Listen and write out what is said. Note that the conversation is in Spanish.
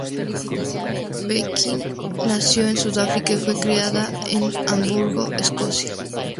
Beckett nació en Sudáfrica y fue criada en Edimburgo, Escocia.